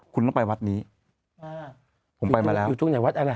คุณต้องไปวัดนี้ผมไปมาแล้วอยู่ทุ่งไหนวัดอะไร